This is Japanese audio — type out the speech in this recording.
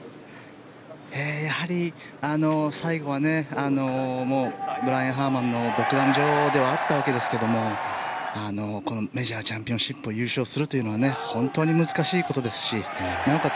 やはり最後はブライアン・ハーマンの独壇場ではあったんですがメジャーチャンピオンシップを優勝するというのは本当に難しいことですしなおかつ